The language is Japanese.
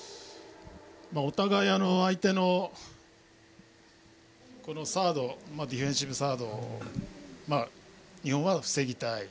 お互い、相手のディフェンシブサードを日本は防ぎたい。